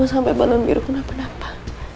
sampai balon biru kenapa dapat